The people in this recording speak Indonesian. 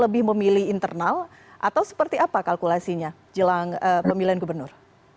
lebih memilih internal atau seperti apa kalkulasinya jelang pemilihan gubernur